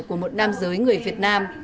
của một nam giới người việt nam